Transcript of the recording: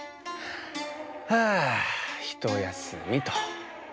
はあひとやすみと。